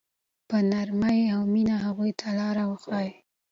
په نرمۍ او مینه هغوی ته لاره وښایئ.